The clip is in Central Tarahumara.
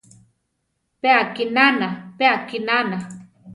Pe akinana, pe akinana!